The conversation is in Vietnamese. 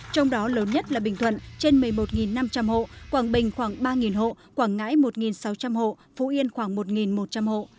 trong đó lớn nhất là bình thuận trên một mươi một năm trăm linh hộ quảng bình khoảng ba hộ quảng ngãi một sáu trăm linh hộ phú yên khoảng một một trăm linh hộ